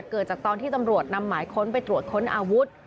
เกิดจากตอนที่ตำรวจนำหมายค้นไปตรวจค้นอาวุธ